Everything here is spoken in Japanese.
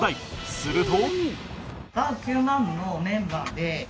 すると